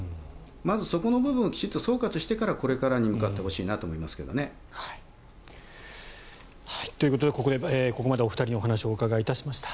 まずそこの部分をきっちり総括してからこれからに向かってほしいなと思いますけどね。ということで、ここまでお二人にお話をお伺いしました。